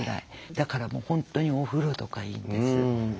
だからもう本当にお風呂とかいいんです。